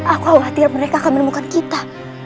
aku khawatir mereka akan menemukan kita